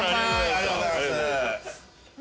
ありがとうございます。